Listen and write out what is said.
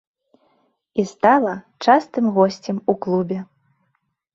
І стала частым госцем у клубе.